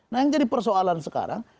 nah yang jadi persoalan sekarang